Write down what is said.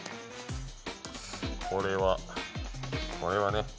これは、これはね